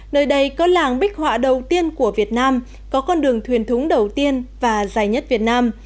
nơi đây có làng bích họa đầu tiên của việt nam có con đường thuyền thúng đầu tiên và dài nhất việt nam